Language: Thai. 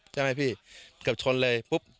ใช่ไหมพี่เกือบชนเลยปุ๊บ